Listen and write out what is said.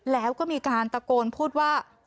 แล้วก็มีการตะโกนพูดว่า